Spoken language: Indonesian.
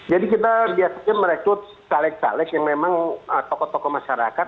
jadi kita biasanya merekrut caleg caleg yang memang tokoh tokoh masyarakat